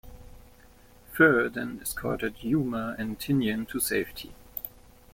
"Fir" then escorted "Yuma" and "Tinian" to safety.